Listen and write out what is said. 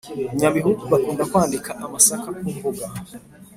nyabihu bakunda kwanika amasaka ku mbuga